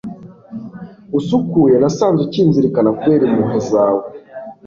usukuye, nasanze ukinzirikana, kubera impuhwe zawe